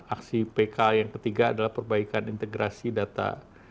aksi pk yang ketiga adalah perbaikan integrasi data